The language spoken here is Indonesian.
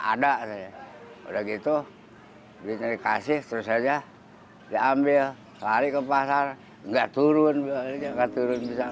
ada udah gitu dikasih terus aja diambil lari ke pasar enggak turun bisa